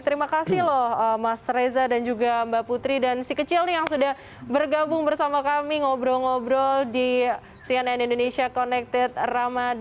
terima kasih loh mas reza dan juga mbak putri dan si kecil nih yang sudah bergabung bersama kami ngobrol ngobrol di cnn indonesia connected ramadan